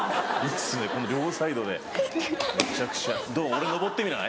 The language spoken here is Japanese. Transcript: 俺登ってみない？